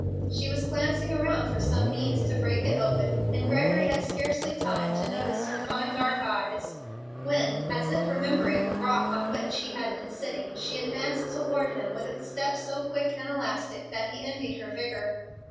She was glancing around for some means to break it open, and Gregory had scarcely time to notice her fine dark eyes, when, as if remembering the rock on which he had been sitting, she advanced toward him with a step so quick and elastic that he envied her vigor.